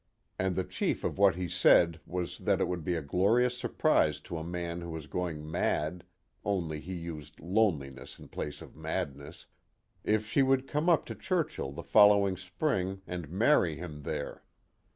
And the chief of what he said was that it would be a glorious surprise to a man who was going mad (only he used loneliness in place of madness) if she would come up to Churchill the following spring and marry him there.